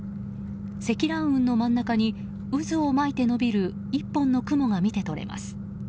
積乱雲の真ん中に渦を巻いて伸びる１本の雲が見て取れます。